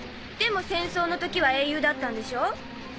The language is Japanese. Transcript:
でも戦争の時は英雄だったんでしょう？